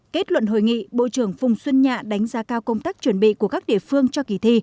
kết luận hội nghị bộ trưởng phùng xuân nhạ đánh giá cao công tác chuẩn bị của các địa phương cho kỳ thi